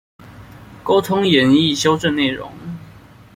溝通研議修正內容